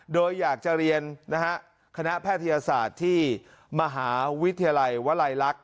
โดยอยากจะเรียนคณะแพทยศาสตร์ที่มหาวิทยาลัยวลัยลักษณ์